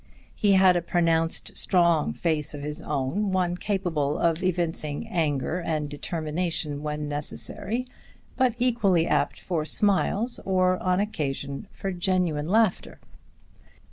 He had a pronounced strong face of his own, one capable of evincing anger and determination when necessary, but equally apt for smiles or, on occasion, for genuine laughter.